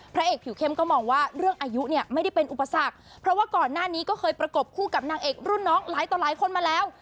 เอกผิวเข้มก็มองว่าเรื่องอายุเนี่ยไม่ได้เป็นอุปสรรคเพราะว่าก่อนหน้านี้ก็เคยประกบคู่กับนางเอกรุ่นน้องหลายต่อหลายคนมาแล้ว